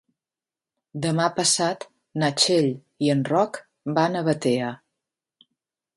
Demà passat na Txell i en Roc van a Batea.